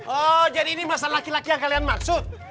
oh jadi ini masalah laki laki yang kalian maksud